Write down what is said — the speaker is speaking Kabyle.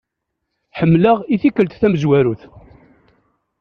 Ḥemlaɣ i-tikelt tamzwarut.